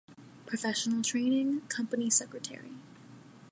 Professional training : Company Secretary.